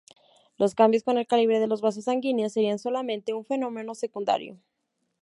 Los cambios en el calibre de los vasos sanguíneos serían solamente un fenómeno secundario.